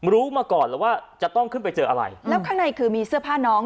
รู้มาก่อนแล้วว่าจะต้องขึ้นไปเจออะไรแล้วข้างในคือมีเสื้อผ้าน้อง